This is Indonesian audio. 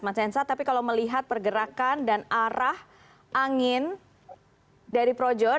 mas hensa tapi kalau melihat pergerakan dan arah angin dari projo